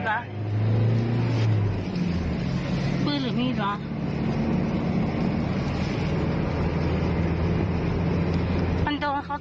มันโดนเขาตีหรือมันมาตีเขาว่ะ